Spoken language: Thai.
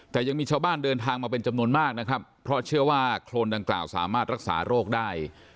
แต่ยังมีชาวบ้านเดินทางมาเป็นจำนวนมากนะครับเพราะเชื่อว่าโครนดังกล่าวสามารถรักษาโรคได้